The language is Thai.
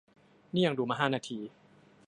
นี่ยังดูมาห้านาที